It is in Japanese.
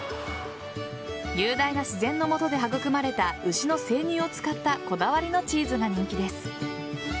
雄大な自然の下で育まれた牛の生乳を使ったこだわりのチーズが人気です。